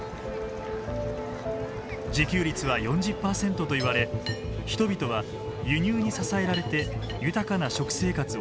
自給率は４０％といわれ人々は輸入に支えられて豊かな食生活を享受していました。